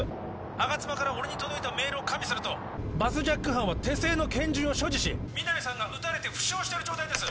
吾妻から俺に届いたメールを加味するとバスジャック犯は手製の拳銃を所持し皆実さんが撃たれて負傷してる状態です